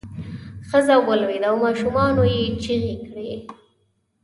ښځه ولویده او ماشومانو یې چغې کړې.